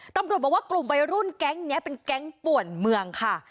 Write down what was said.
ตำรวจบอกว่ากลุ่มวัยรุ่นแก๊งนี้เป็นแก๊งป่วนเมืองค่ะ